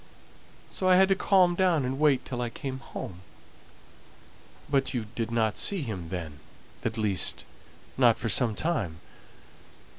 So I had to calm down and wait till I came home." "But you didn't see him then; at least, not for some time?"